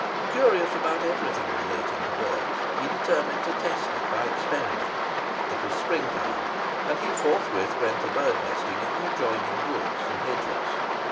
Curious about everything relating to birds, he determined to test it by experiment. It was spring time, and he forthwith went a birdnesting in the adjoining woods and hedges.